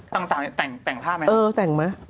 ต่างแต่งภาพมั้ย